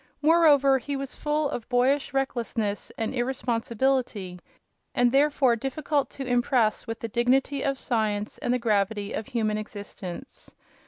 Moreover, he was full of boyish recklessness and irresponsibility and therefore difficult to impress with the dignity of science and the gravity of human existence.